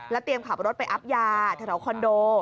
แล้วเตรียมขับรถไปอัพยาทะเลาคอนโด